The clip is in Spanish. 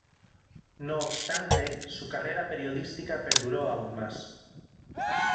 No obstante, su carrera periodística perduró aún más.